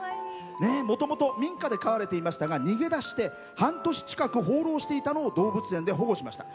もともと民家で飼われていましたが逃げ出して半年近く放浪していたのを動物園で保護しました。